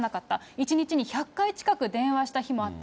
１日に１００回近く電話した日もあった。